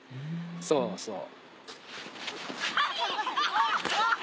そうそう。